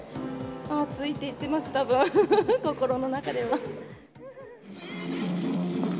暑いって言ってます、たぶん、心の中では。